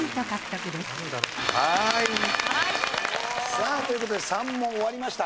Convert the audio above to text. さあという事で３問終わりました。